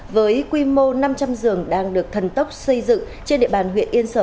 với quy mô năm trăm linh giường đang được thần tốc xây dựng trên địa bàn huyện yên sở